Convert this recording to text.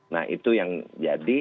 nah itu yang jadi